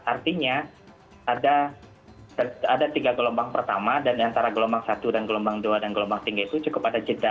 artinya ada tiga gelombang pertama dan antara gelombang satu dan gelombang dua dan gelombang tiga itu cukup ada jeda